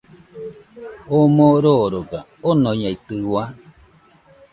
Oo moo roroga, onoñeitɨua